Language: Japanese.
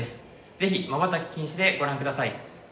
是非まばたき禁止でご覧ください。